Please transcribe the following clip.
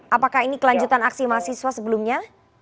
apakah ini kelanjutan aksi mahasiswa sebelumnya